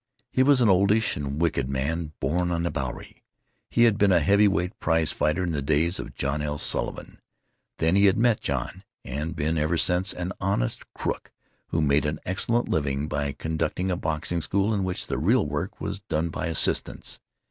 He was an oldish and wicked man, born on the Bowery. He had been a heavy weight prize fighter in the days of John L. Sullivan; then he had met John, and been, ever since, an honest crook who made an excellent living by conducting a boxing school in which the real work was done by assistants.